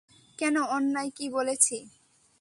কেন, অন্যায় কী বলেছি!